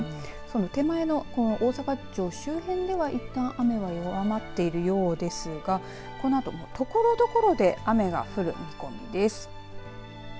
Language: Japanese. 手前の大阪城周辺ではいったん雨は弱まっているようですがこのあと、ところどころで雨が降る見込みです。